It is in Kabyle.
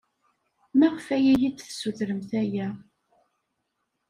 Maɣef ay iyi-d-tessutremt aya?